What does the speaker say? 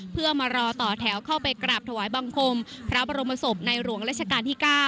เพื่อมารอต่อแถวเข้าไปกราบถวายบังคมพระบรมศพในหลวงราชการที่๙